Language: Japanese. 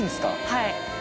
はい。